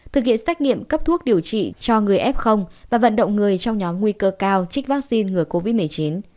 thực hiện xét nghiệm cấp thuốc điều trị cho người f và vận động người trong nhóm nguy cơ cao trích vaccine ngừa covid một mươi chín